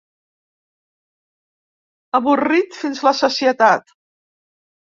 Avorrit fins a la sacietat.